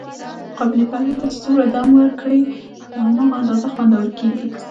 قابلي پلو ته چې څومره دم ډېر ور کړې، په هماغه اندازه خوندور کېږي.